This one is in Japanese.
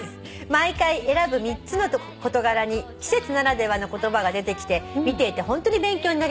「毎回選ぶ３つの事柄に季節ならではの言葉が出てきて見ていてホントに勉強になります」